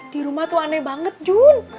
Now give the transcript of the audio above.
dirumah aneh banget jun